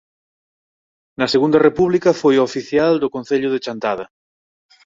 Na Segunda República foi oficial do Concello de Chantada.